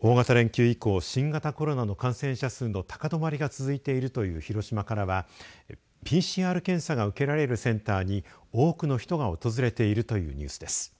大型連休以降、新型コロナの感染者数の高止まりが続いているという広島からはＰＣＲ検査が受けられるセンターに多くの人が訪れているというニュースです。